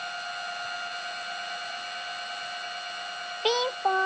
ピンポン！